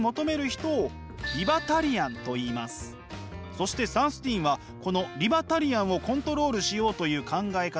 そしてサンスティーンはこのリバタリアンをコントロールしようという考え方